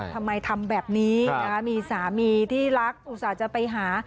ทำไมทำแบบนี้มีสามีที่รักอุตส่าห์จะไปหา